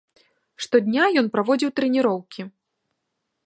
Штодня ён праводзіў трэніроўкі.